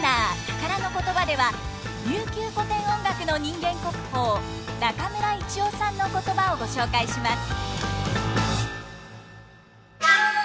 「たからのことば」では琉球古典音楽の人間国宝中村一雄さんのことばをご紹介します。